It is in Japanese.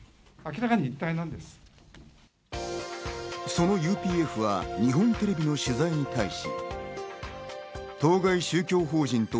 そのＵＰＦは日本テレビの取材に対し。